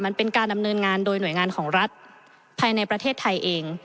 มันเป็นการดำเนินงานโดยหน่วยงานของรัฐภายในประเทศไทยเอง